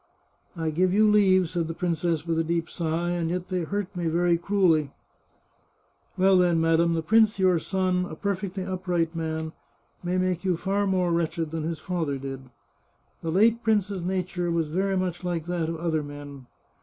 " I give you leave," said the princess with a deep sigh ;" and yet they hurt me cruelly !"" Well, then, madam, the prince, your son, a perfectly upright man, may make you far more wretched than his father did. The late prince's nature was very much like that of other men.